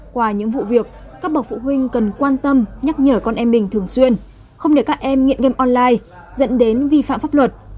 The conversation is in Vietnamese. qua những vụ việc các bậc phụ huynh cần quan tâm nhắc nhở con em mình thường xuyên không để các em nghiện game online dẫn đến vi phạm pháp luật